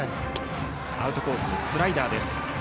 アウトコースのスライダー。